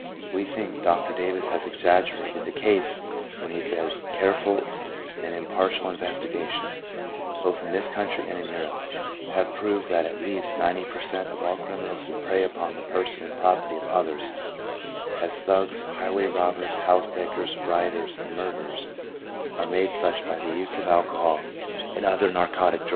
3 We think Dr. Davis has exaggerated the case when he says, " Careful and impartial investigations, both in this country and in Europe, have proved that at least 90 per cent, of criminals who prey upon the person and property of others — as thugs, highway robbers, housebreakers, rioters, and murderers, are made such by the use of alcohol and other narcotic 1 A.